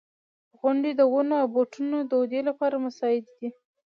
• غونډۍ د ونو او بوټو د ودې لپاره مساعدې دي.